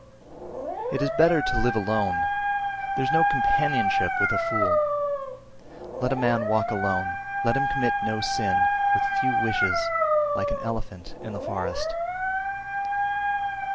330. It is better to live alone, there is no companionship with a fool; let a man walk alone, let him commit no sin, with few wishes, like an elephant in the forest.